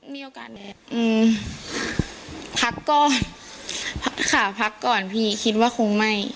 มีโอกาสพักก่อนค่ะพักก่อนพี่คิดว่าคงไม่